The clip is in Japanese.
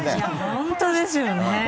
本当ですよね。